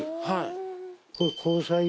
はい。